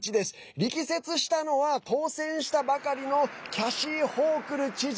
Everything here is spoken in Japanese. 力説したのは当選したばかりのキャシー・ホークル知事。